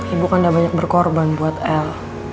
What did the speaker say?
ibu kan udah banyak berkorban buat l